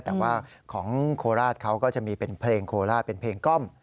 แต่ว่าของโคราชเขาก็จะมีเป็นเพลงโคราชเป็นเพลงก้อม